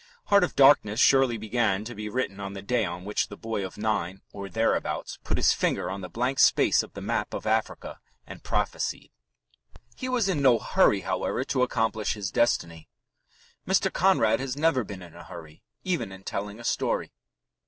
Heart of Darkness surely began to be written on the day on which the boy of nine "or thereabouts" put his finger on the blank space of the map of Africa and prophesied. He was in no hurry, however, to accomplish his destiny. Mr. Conrad has never been in a hurry, even in telling a story.